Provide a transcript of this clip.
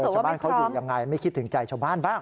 ชาวบ้านเขาอยู่ยังไงไม่คิดถึงใจชาวบ้านบ้าง